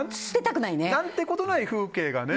何てことない風景がね。